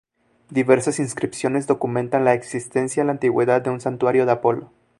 Diversas inscripciones documentan la existencia en la Antigüedad de un santuario de Apolo.